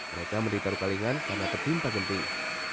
mereka menderita rukalingan karena ketimpa gemping